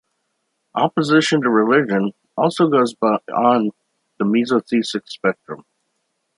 Opposition to religion also goes beyond the misotheistic spectrum.